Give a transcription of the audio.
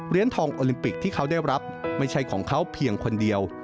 ทองโอลิมปิกที่เขาได้รับไม่ใช่ของเขาเพียงคนเดียว